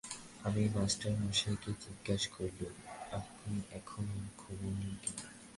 আমি মাস্টারমশায়কে জিজ্ঞাসা করলুম, আপনি এখনো ঘুমোন নি কেন?